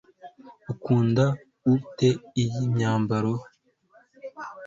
Ukunda ute iyi myambaro